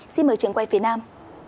xin mời trường quay phía nam